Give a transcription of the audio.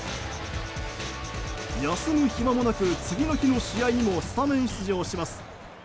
休む暇なく、次の日の試合にもスタメン出場します。